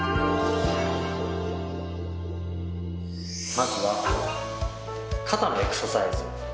まずは肩のエクササイズ。